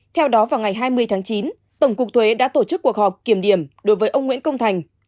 theo đó vào ngày hai mươi tháng chín tổng cục thuế đã tổ chức cuộc họp kiểm điểm đối với ông nguyễn công thành